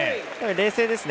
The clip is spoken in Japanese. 冷静ですね。